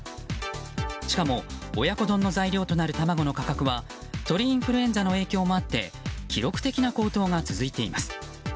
しかも、親子丼の材料となる卵の価格は鳥インフルエンザの影響もあって記録的な高騰が続いています。